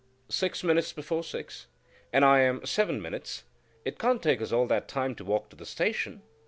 "Six minutes before six." "And I am seven minutes. It can't take us all that time to walk to the station."